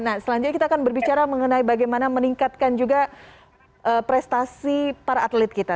nah selanjutnya kita akan berbicara mengenai bagaimana meningkatkan juga prestasi para atlet kita